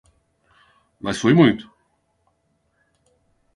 Mas foi muito.